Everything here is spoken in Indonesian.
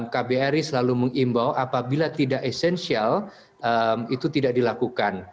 kbri selalu mengimbau apabila tidak esensial itu tidak dilakukan